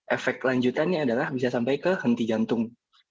efek lanjutannya adalah bisa sampai ke henti jantung